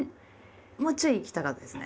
もうちょい行きたかったですね。